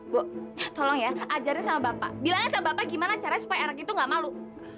bu tolong ya ajarnya sama bapak bilangin sama bapak gimana caranya supaya anaknya tuh gak malu